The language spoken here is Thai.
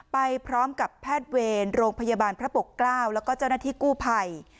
ไปพร้อมกับแพทย์เวรโรงพยาบาลพระปกเกล้าแล้วก็เจ้าหน้าที่กู้ภัย